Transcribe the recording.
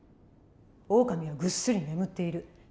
オオカミはぐっすり眠っている。